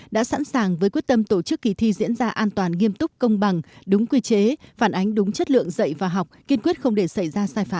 đã sẵn sàng với quyết tâm tổ chức kỳ thi diễn ra an toàn nghiêm túc công bằng